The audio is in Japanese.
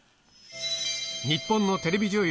日本のテレビ女優